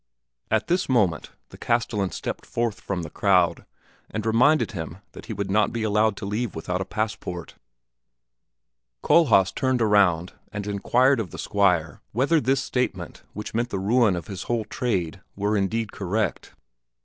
At this moment the castellan stepped forth from the crowd and reminded him that he would not be allowed to leave without a passport. Kohlhaas turned around and inquired of the Squire whether this statement, which meant the ruin of his whole trade, were indeed correct.